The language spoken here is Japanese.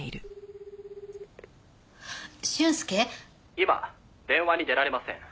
「今電話に出られません」